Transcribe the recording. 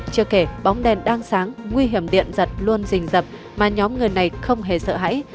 chưa kể bóng đèn đang sáng nguy hiểm điện giật luôn rình rập mà nhóm người này không hề sợ hãi